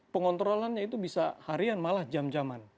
pengontrolannya itu bisa harian malah jam jaman